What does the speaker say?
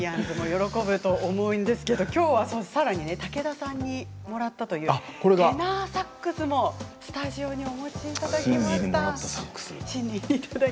喜ぶと思いますけれどきょうはさらに武田さんにもらったというテナーサックスもお持ちいただきました。